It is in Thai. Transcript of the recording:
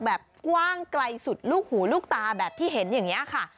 แบบกว้างไกลสุดลูกหูลูกตาแบบที่เห็นอย่างนี้ค่ะ